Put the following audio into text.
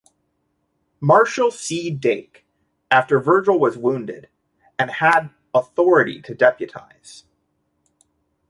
Marshal C. Dake, after Virgil was wounded, and had authority to deputize.